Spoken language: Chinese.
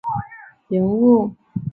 素呜尊是日本传说中出现的人物。